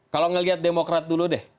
kalau ngelihat demokrat dulu deh